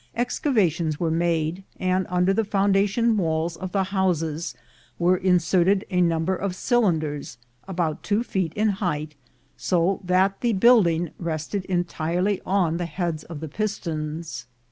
Excavations were made, and under the foundation walls of the houses were inserted a num ber of cylinders about two feet in height, so that the building rested entirely on the heads of the pistons.